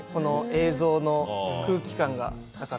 映像の空気感が。